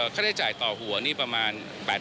ค่าใช้จ่ายต่อหัวนี่ประมาณ๘๐๐